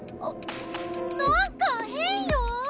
なんかへんよ！